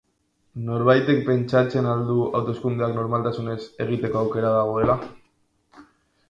Norbaitek pentsatzen al du hauteskundeak normaltasunez egiteko aukera dagoela?